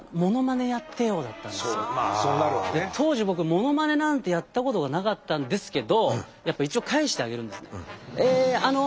当時僕モノマネなんてやったことがなかったんですけどやっぱ一応返してあげるんですね。